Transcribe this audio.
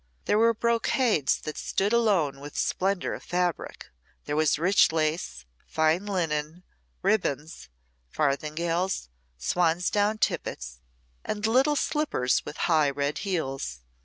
There were brocades that stood alone with splendour of fabric, there was rich lace, fine linen, ribbands, farthingales, swansdown tippets, and little slippers with high red heels.